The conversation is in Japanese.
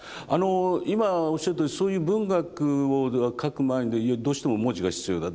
今おっしゃったようにそういう文学を書く前にどうしても文字が必要だ。